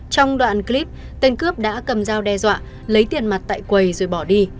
trong đoạn clip tên cướp đã cầm dao đe dọa lấy tiền mặt tại quầy rồi bỏ đi